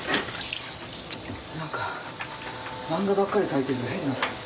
何か漫画ばっかり描いてると変になる。